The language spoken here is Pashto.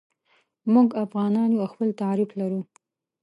موږ افغانان یو او خپل تعریف لرو.